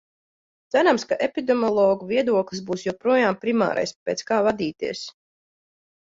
Cerams, ka epidemiologu viedoklis būs joprojām primārais, pēc kā vadīties.